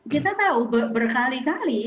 kita tahu berkali kali